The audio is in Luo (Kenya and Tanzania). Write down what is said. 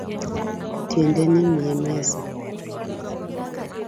Tiende nie mesa